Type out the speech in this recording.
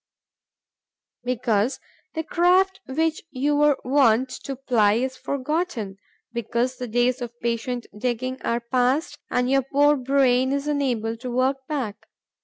Because the craft which you were wont to ply is forgotten; because the days of patient digging are past and your poor brain is unable to work back.